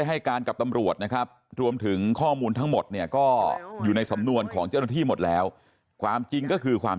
ใช่ติ๋งระยะห่างกันเยอะครับ